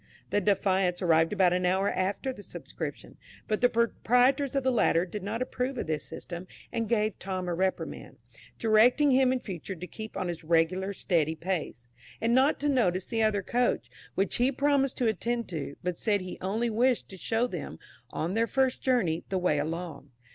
The "Defiance" arrived about an hour after the Subscription; but the proprietors of the latter did not approve of this system, and gave Tom a reprimand, directing him in future to keep on his regular steady pace,[21 *] and not to notice the other coach, which he promised to attend to, but said he only wished to show them, on their first journey, the way along.